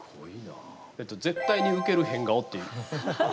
「絶対にうける変顔」っていう。